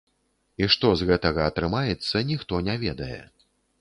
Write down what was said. І што з гэтага атрымаецца, ніхто не ведае.